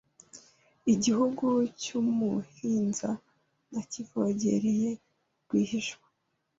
Igihugu cy’umuhinza nakivogereye rwihishwa